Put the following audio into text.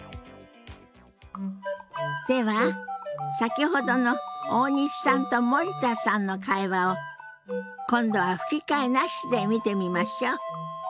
では先ほどの大西さんと森田さんの会話を今度は吹き替えなしで見てみましょう。